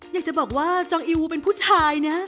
อยากจะบอกว่าจองอิวเป็นผู้ชายนะ